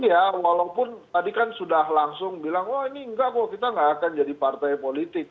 iya walaupun tadi kan sudah langsung bilang wah ini enggak kok kita nggak akan jadi partai politik